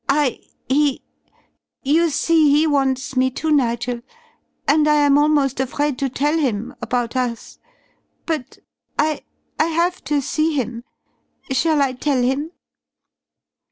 I he you see he wants me, too, Nigel, and I am almost afraid to tell him about us. But I I have to see him. Shall I tell him?"